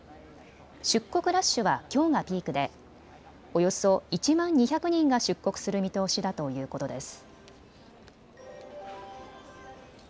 出国ラッシュはきょうがピークでおよそ１万２００人が出国する見通しだということです。